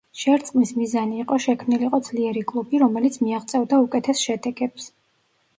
შერწყმის მიზანი იყო შექმნილიყო ძლიერი კლუბი, რომელიც მიაღწევდა უკეთეს შედეგებს.